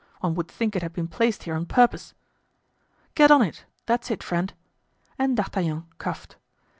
one would think it had been placed here on purpose." "Get on it; that's it, friend." And D'Artagnan coughed.